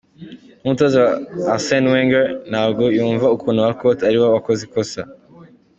N'umutoza Arsene Wenger ntabwo yumvaga ukuntu Walcott ariwe wakoze ikosa.